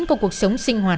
có cuộc sống sinh hoạt